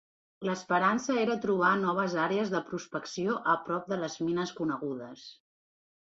L'esperança era trobar noves àrees de prospecció a prop de les mines conegudes.